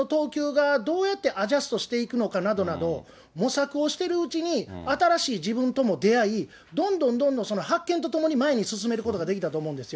メジャーで自分の投球がどうやってアジャストしていくのかなどなど、模索をしてるうちに、新しい自分とも出会い、どんどんどんどん発見とともに前に進めることができたと思うんですよ。